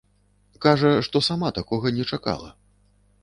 Кажа, што сама такога не чакала.